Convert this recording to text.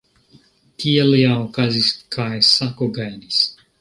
Tiel ja okazis, kaj Sako gajnis.